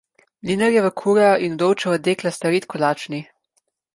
Mlinarjeva kura in vdovčeva dekla sta redko lačni.